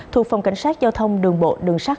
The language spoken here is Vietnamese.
thuộc phòng cảnh sát giao thông đường bộ đường sát